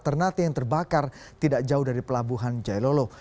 ternate yang terbakar tidak jauh dari pelabuhan jailolo